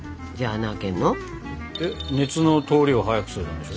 熱の通りを早くするためでしょ？